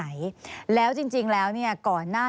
มีความรู้สึกว่ามีความรู้สึกว่า